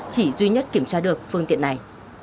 chỉ duy nhất kiểm tra được phương tiện này